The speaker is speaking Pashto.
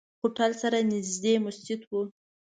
هوټل سره نزدې مسجد وو.